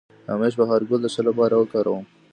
د همیش بهار ګل د څه لپاره وکاروم؟